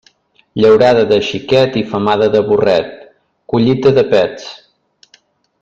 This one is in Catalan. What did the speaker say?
Llaurada de xiquet i femada de burret, collita de pets.